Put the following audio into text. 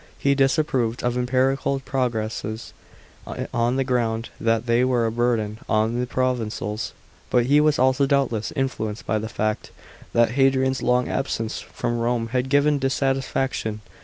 He disapproved of imperial progresses, on the ground that they were a burden on the provincials, but he was also doubtless influenced by the fact, that Hadrian's long absence from Rome had given dissatisfaction.